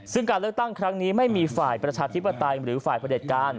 ซึ่งการเลือกตั้งครั้งนี้ไม่มีฝ่ายประชาธิปไตยหรือฝ่ายประเด็จการ